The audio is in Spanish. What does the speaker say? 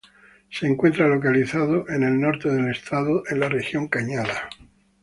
Se encuentra localizado en el norte del estado, en la región Cañada.